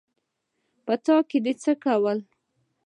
_په څاه کې دې څه کول؟